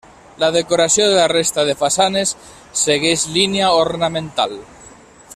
La decoració de la resta de façanes segueix línia ornamental.